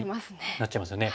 なっちゃいますよね。